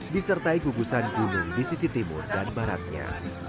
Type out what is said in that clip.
disertai gugusan gunung di sisi timur dan baratnya